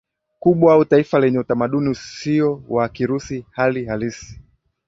kubwa au taifa lenye utamaduni usio wa Kirusi Hali halisi